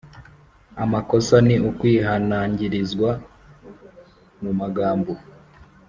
amakosa ni ukwihanangirizwa mu magambo